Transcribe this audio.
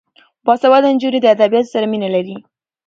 باسواده نجونې د ادبیاتو سره مینه لري.